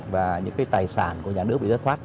và những tài sản của nhà nước bị rớt thoát